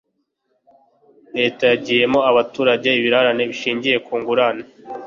leta yagiyemo abaturage ibirarane bishingiye ku ngurane